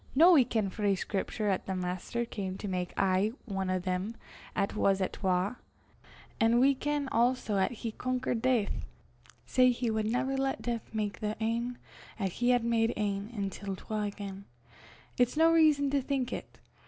Noo we ken frae Scriptur' 'at the Maister cam to mak aye ane o' them 'at was at twa; an' we ken also 'at he conquered Deith; sae he wad never lat Deith mak the ane 'at he had made ane intil twa again: it's no rizon to think it.